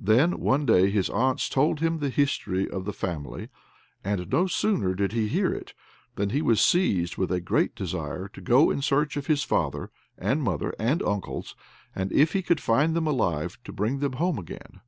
Then, one day, his aunts told him the history of the family; and no sooner did he hear it, than he was seized with a great desire to go in search of his father and mother and uncles, and if he could find them alive to bring them home again.